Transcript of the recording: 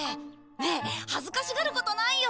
ねえ恥ずかしがることないよ。